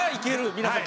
皆さん。